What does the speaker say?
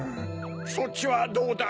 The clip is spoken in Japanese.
そっちはどうだい？